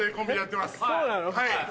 はい！